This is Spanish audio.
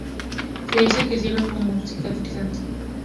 Se dice que sirve como cicatrizante.